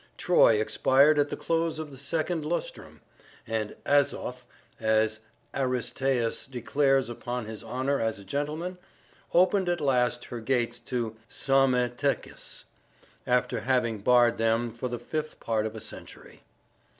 Troy expired at the close of the second lustrum; and Azoth, as Aristaeus declares upon his honour as a gentleman, opened at last her gates to Psammetichus, after having barred them for the fifth part of a century....